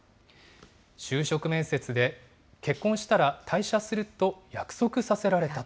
就職面接で結婚したら退社すると約束させられた。